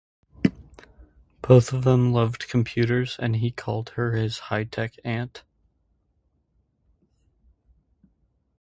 Both of them loved computers, and he called her his "high-tech aunt".